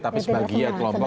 tapi sebagian kelompok